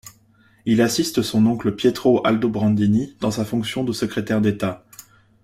Il assiste son oncle Pietro Aldobrandini, dans sa fonction de secrétaire d'État.